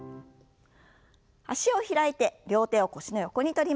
脚を開いて両手を腰の横に取りましょう。